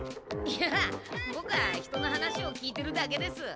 いやボクは人の話を聞いてるだけです。